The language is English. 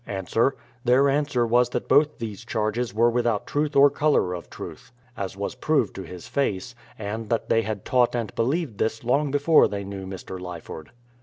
Ans: Their answer was that both these charges were without truth or colour of truth — as was proved to his face — and that they had taught and believed this long before they knew Mr. Lyford.